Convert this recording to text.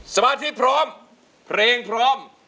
สมาธิพร้อมเพลงพร้อม